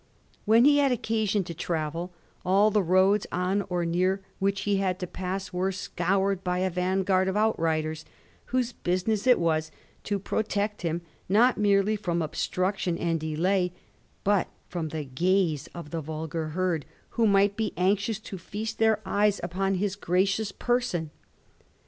When he had occasion to travel, all the roads on or near which he had to pass were scoured by a van guard of outriders, whose business it was to protect him, not merely fi:om obstruction and delay, but firom the gaze of the vulgar herd who might be anxious to feast their eyes upon his gracious person.